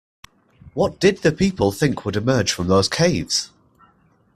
What did the people think would emerge from those caves?